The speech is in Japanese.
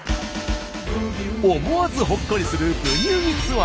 思わずほっこりする「ブギウギ」ツアー。